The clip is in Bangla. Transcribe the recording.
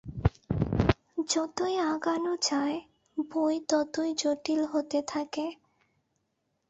যতই আগানো যায় বই ততই জটিল হতে থাকে।